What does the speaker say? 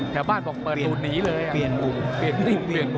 แถวบ้านเปิดตู้หนีเลย